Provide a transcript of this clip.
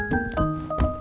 tunggu bentar ya kakak